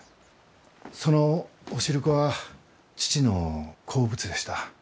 そのお汁粉は父の好物でした。